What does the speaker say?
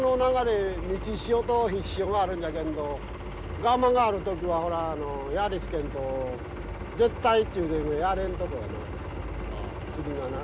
満ち潮と引き潮があるんじゃけんどがまがある時はやりつけんと絶対っちゅうてやれんとこやな釣りがな。